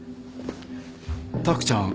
卓ちゃん。